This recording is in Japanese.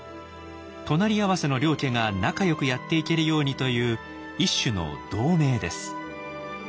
隣り合わせの両家が仲よくやっていけるようにという一種の同盟です。